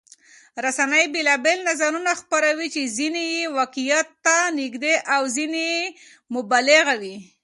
رسنۍ بېلابېل نظرونه خپروي چې ځینې یې واقعيت ته نږدې او ځینې مبالغه وي.